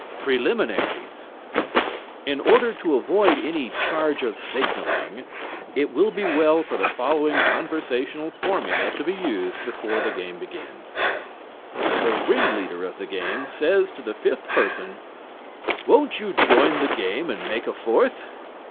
PRELIMINARIES In order to avoid any charge of signalling, it will be well for the following conversational formula to be used before the game begins: The ring leader of the game says to the fifth person: "Won't you join the game and make a fourth?